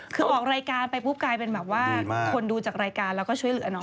คือออกรายการไปปุ๊บกลายเป็นแบบว่าคนดูจากรายการแล้วก็ช่วยเหลือน้อง